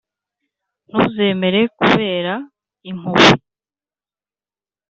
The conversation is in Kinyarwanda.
ntuzemera, kubera impuhwe